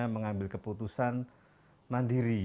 mengambil keputusan mandiri